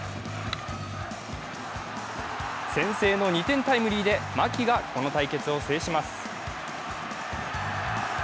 先制の２点タイムリーで牧がこの対決を制します。